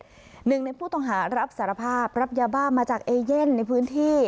หนึ่งในผู้ต้องหารับสารภาพรับยาบ้ามาจากเอเย่นในพื้นที่